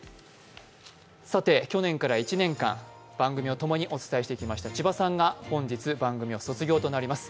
去年から１年間、番組を共にお伝えしてきました千葉さんが本日、番組を卒業となります。